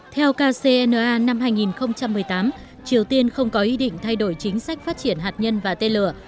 theo kcna năm hai nghìn một mươi tám triều tiên không có ý định thay đổi chính sách phát triển hạt nhân và tên lửa